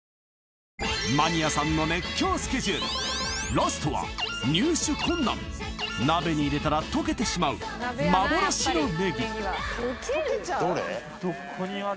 ラストは入手困難鍋に入れたら溶けてしまう幻のねぎどれ？